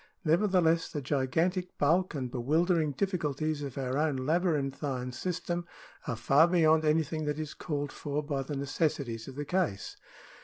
Nevertheless the gigantic bulk and bewildering difficulties of our own labyrinthine system are far beyond anything that is called for by the necessities of the case.